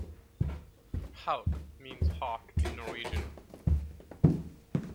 "Hauk" means hawk in Norwegian.